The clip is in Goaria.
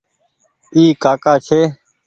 اي ڪآڪآ ڇي ۔